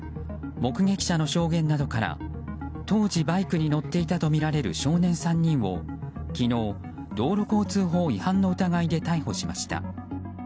目撃者の証言などから、当時バイクに乗っていたとみられる少年３人を昨日道路交通法違反の疑いで逮捕しました。